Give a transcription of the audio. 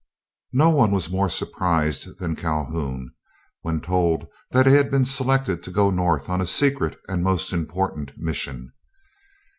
No one was more surprised than Calhoun when told that he had been selected to go North on a secret and most important mission.